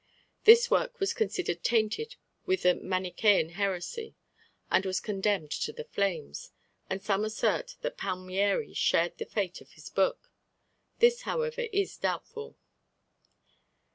This work was considered tainted with the Manichaean heresy, and was condemned to the flames, and some assert that Palmieri shared the fate of his book. This, however, is doubtful.